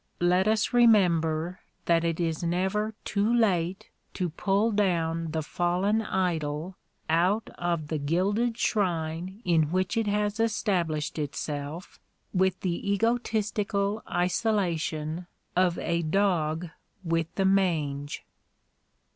Let us remember that it is never too late to pull down the fallen idol out of the gilded shrine in which it has established itself with the egotistical isolation of a dog with the mange!